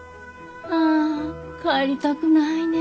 ああ帰りたくないねえ。